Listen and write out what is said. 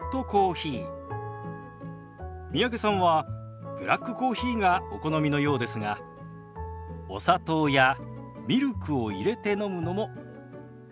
三宅さんはブラックコーヒーがお好みのようですがお砂糖やミルクを入れて飲むのもおすすめです。